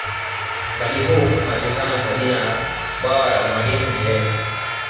Mradi huu unajulikana kwa jina la Bwawa la mwalimu nyerere